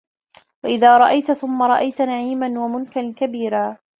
وَإِذا رَأَيتَ ثَمَّ رَأَيتَ نَعيمًا وَمُلكًا كَبيرًا